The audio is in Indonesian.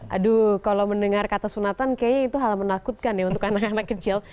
aduh kalau mendengar kata sunatan kayaknya itu hal menakutkan ya untuk anak anak kecil